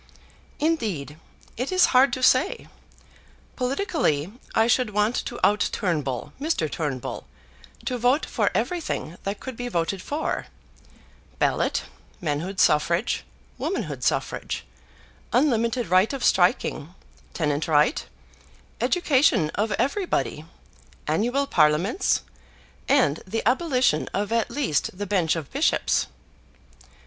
"Indeed, it is hard to say. Politically I should want to out Turnbull Mr. Turnbull, to vote for everything that could be voted for, ballot, manhood suffrage, womanhood suffrage, unlimited right of striking, tenant right, education of everybody, annual parliaments, and the abolition of at least the bench of bishops."